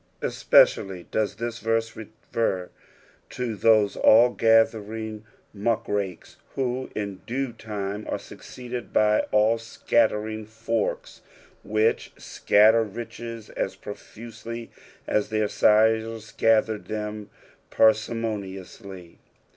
Especially does this verse refer to those all gathering muckrakes, who in due time aru succeeded by all scattering forks, which scatter riches as profusely as their sires gathered them parsimoniousTy.